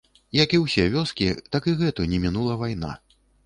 Як усе вёскі, так і гэту, не мінула вайна.